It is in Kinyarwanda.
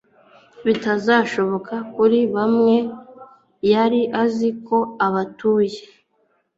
bitazashoboka kuri bamwe. Yari azi ko abatuye